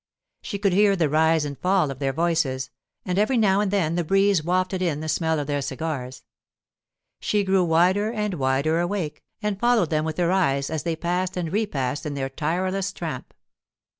She could hear the rise and fall of their voices, and every now and then the breeze wafted in the smell of their cigars. She grew wider and wider awake, and followed them with her eyes as they passed and repassed in their tireless tramp.